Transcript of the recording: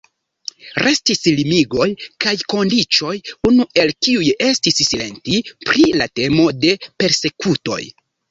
Restis limigoj kaj kondiĉoj, unu el kiuj estis silenti pri la temo de persekutoj.